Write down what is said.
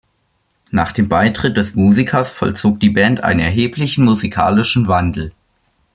Nach dem Beitritt des Musikers vollzog die Band einen erheblichen musikalischen Wandel.